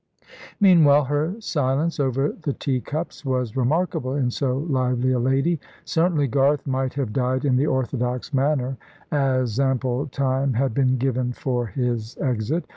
Meanwhile, her silence over the teacups was remarkable in so lively a lady. Certainly, Garth might have died in the orthodox manner, as ample time had been given for his exit.